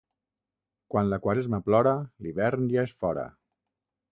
Quan la Quaresma plora, l'hivern ja és fora.